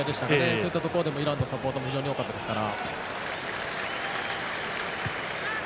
そういったところでもイランのサポーターも非常に多かったですから。